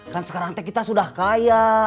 kan sekarang teh kita sudah kaya